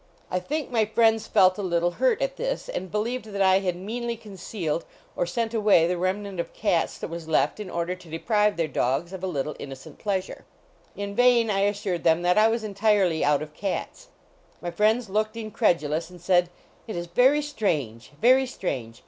I think my friends frit a little hurt at this, and believed that I had meanly concealed or sent away the ivm nant of cats that was left in order to dcprixv their dogs of a little innocent pleasure. In 243 HOUSEHOLD PETS vain I assured them that I was entirely out of cats. My friends looked incredulous, and said: "It is very strange; very strange.